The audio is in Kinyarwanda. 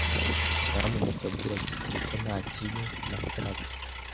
Nyamuneka bwira kigeli ko nta kibi nakoraga.